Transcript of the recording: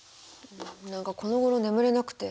何かこのごろ眠れなくて。